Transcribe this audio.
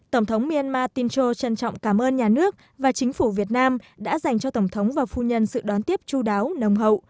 tổng thống myanmar tincho trân trọng cảm ơn nhà nước và chính phủ việt nam đã dành cho tổng thống và phu nhân sự đón tiếp chú đáo nồng hậu